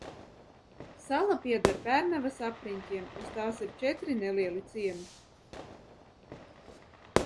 Sala pieder Pērnavas apriņķim, uz tās ir četri nelieli ciemi.